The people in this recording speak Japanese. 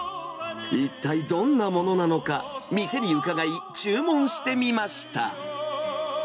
一体どんなものなのか、店にうかがい、注文してみました。